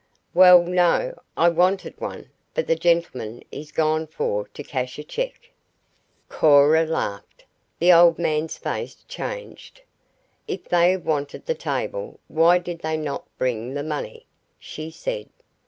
"Well, no. I wanted one, but the gentleman is gone for to cash a check " Cora laughed. The old man's face changed. "If they wanted the table why did they not bring the money?" she said.